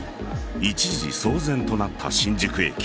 一時騒然となった新宿駅。